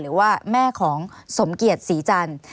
หรือว่าแม่ของสมเกียรติศรีจันทร์